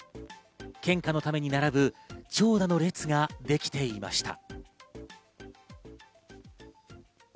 献花のために並ぶ長蛇の列ができていました。